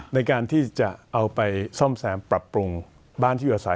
ในการที่จะเอาไปซ่อมแซมปรับปรุงบ้านที่อยู่อาศัย